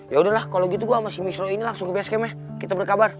yaudah lah kalo gitu gua sama si mislo ini langsung ke basecampnya kita berkabar